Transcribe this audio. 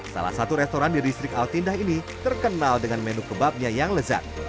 salah satu restoran di distrik altindah ini terkenal dengan menu kebabnya yang lezat